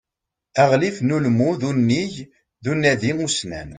Aɣlif n ulmud unnig d unadi ussnan.